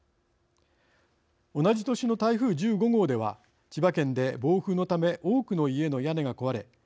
同じ年の台風１５号では千葉県で暴風のため多くの家の屋根が壊れ